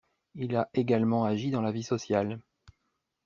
Il a également agi dans la vie sociale.